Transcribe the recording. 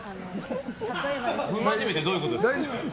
不真面目ってどういうことですか。